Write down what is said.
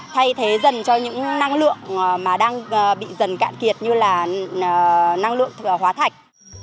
thay thế dần cho những năng lượng mà đang bị dần cạn kiệt như là năng lượng hóa thạch